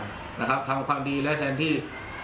ทำความดีและแทนที่